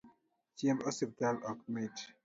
Chiemb osiptal ok mit